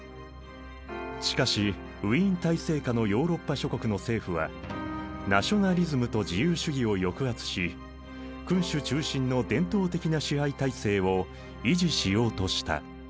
しかしウィーン体制下のヨーロッパ諸国の政府はナショナリズムと自由主義を抑圧し君主中心の伝統的な支配体制を維持しようとした。